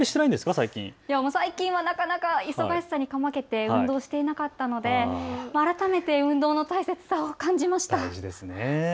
最近はなかなか忙しさにかまけて運動していなかったので、改めて運動の大切さを感じました。